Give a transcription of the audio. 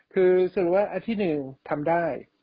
คือสำหรับว่าอาทิตย์หนึ่งทำได้